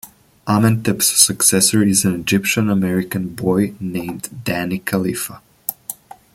Amentep's successor is an Egyptian American boy named Danny Khalifa.